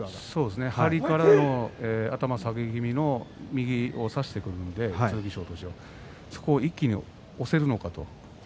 張りからの頭を下げ気味に右を差してくるので、剣翔がそこを一気に押せるのか。